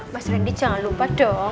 mas randy jangan lupa dong